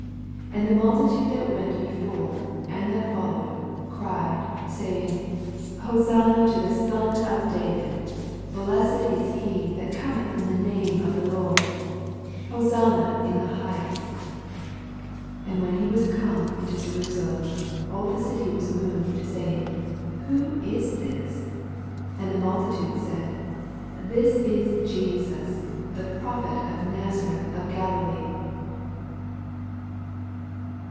9 And the mnltitaaes that went before, and that followed, cried, sav ing:, Hosanna to the Sou of Davia : Blessed U he that cometh in the name of the Lord : Hosanna in the higbest. 10 And wnen he was. come into Je msalem, all the city was moved, say ing, Who is this ? 11 And the multitude said, This is Jesus, the prophet of Nazareth of Galilee.